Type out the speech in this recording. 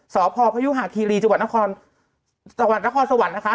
สภพยุหาคีรีจนครสวรรค์นะคะ